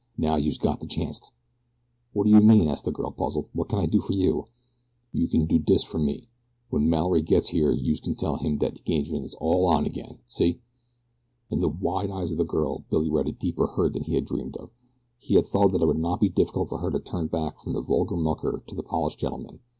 Now youse got de chanct." "What do you mean?" asked the girl, puzzled. "What can I do for you?" "Youse kin do dis fer me. When Mallory gits here youse kin tell him dat de engagement is all on again see!" In the wide eyes of the girl Billy read a deeper hurt than he had dreamed of. He had thought that it would not be difficult for her to turn back from the vulgar mucker to the polished gentleman.